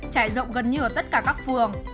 trải rộng gần như ở tất cả các phường